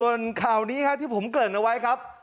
ส่วนข่าวนี้ที่ผมเกริ่นเอาไว้ครับ